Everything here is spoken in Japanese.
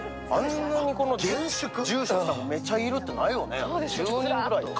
こんなに住職さんがめっちゃいるってないよね。